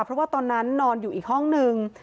เพราะว่าตอนนั้นนอนอยู่อีกห้องนึง